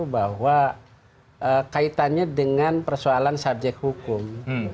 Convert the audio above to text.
bahwa kaitannya dengan persoalan subjek hukum